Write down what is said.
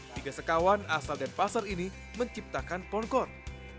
tiga sekawan asal dan pasar ini menciptakan porncorp